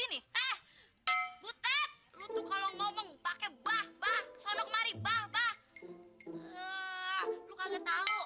tidak mengerti kan